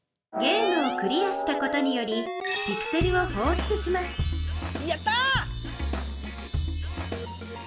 ゲームをクリアしたことによりピクセルをほうしゅつしますやった！